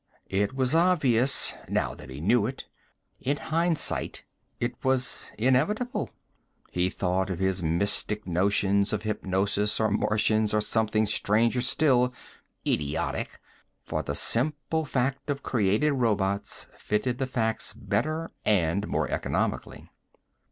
It was obvious, now that he knew it. In hindsight, it was inevitable. He thought of his mystic notions of hypnosis or Martians or something stranger still idiotic, for the simple fact of created robots fitted the facts better and more economically.